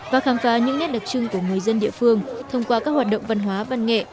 và khám phá những nét đặc trưng của người dân địa phương thông qua các hoạt động văn hóa văn nghệ